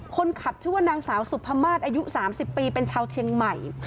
คนขับชื่อว่านางสาวสุภามาศอายุ๓๐ปีเป็นชาวเชียงใหม่